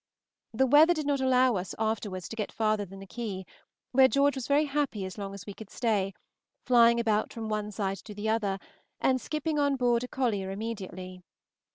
The weather did not allow us afterwards to get farther than the quay, where George was very happy as long as we could stay, flying about from one side to the other, and skipping on board a collier immediately.